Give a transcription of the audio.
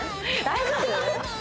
大丈夫？